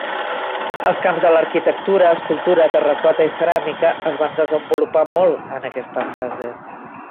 Els camps de l'arquitectura, escultura, terracota i ceràmica es van desenvolupar molt en aquesta fase.